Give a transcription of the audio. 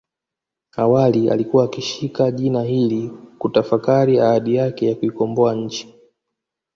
Awali alikuwa alishika jina hili kutafakari ahadi yake ya kuikomboa nchi